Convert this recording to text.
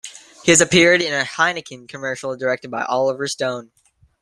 He has appeared in a Heineken commercial directed by Oliver Stone.